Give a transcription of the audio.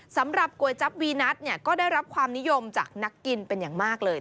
ก๋วยจั๊บวีนัทเนี่ยก็ได้รับความนิยมจากนักกินเป็นอย่างมากเลย